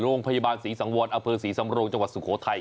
โรงพยาบาลศรีสังวรอเภศรีสำโรงจังหวัดสุโขทัย